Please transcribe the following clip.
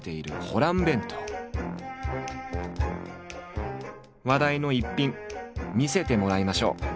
話題の一品見せてもらいましょう。